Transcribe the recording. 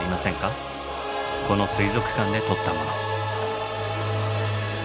この水族館で撮ったもの。